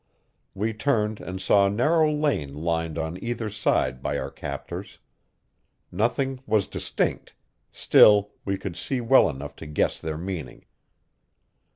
We turned and saw a narrow lane lined on either side by our captors. Nothing was distinct; still we could see well enough to guess their meaning.